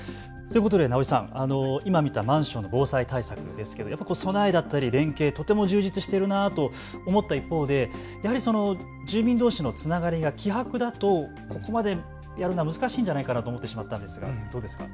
直井さん、今、見たマンション防災対策ですけれども備えだったり連携、とても充実しているなと思った一方で住民どうしのつながりが希薄だとここまでやるのは難しいんじゃないかなと思ってしまったんですがどうですか。